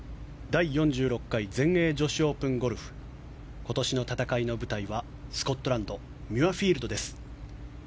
第４６回全英女子オープンゴルフ今年の戦いの舞台はスコットランドミュアフィールドです。